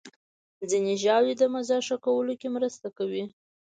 ځینې ژاولې د مزاج ښه کولو کې مرسته کوي.